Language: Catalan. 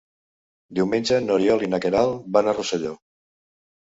Diumenge n'Oriol i na Queralt van a Rosselló.